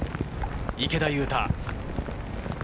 池田勇太。